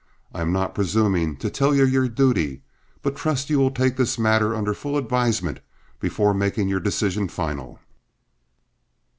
I am not presuming to tell you your duty, but trust you will take this matter under full advisement before making your decision final."